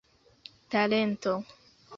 talento